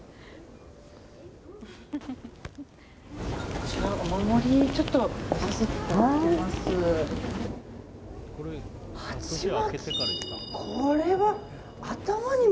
こちら、お守りちょっと見させていただきます。